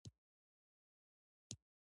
هغې د ښایسته خاطرو لپاره د نرم شګوفه سندره ویله.